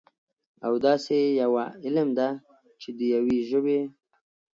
او داسي يوه علم ده، چې د يوي ژبې